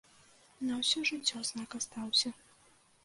На ўсё жыццё знак астаўся.